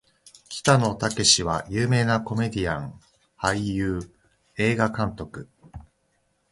北野武は有名なコメディアン・俳優・映画監督